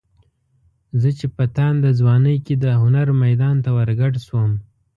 زه چې په تانده ځوانۍ کې د هنر میدان ته ورګډ شوم.